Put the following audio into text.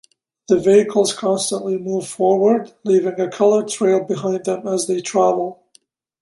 The vehicles constantly move forward, leaving a coloured trail behind them as they travel.